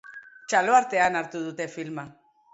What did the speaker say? Txalo artean hartu dute filma.